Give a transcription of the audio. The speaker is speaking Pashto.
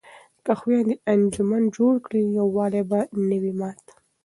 که خویندې انجمن جوړ کړي نو یووالی به نه وي مات.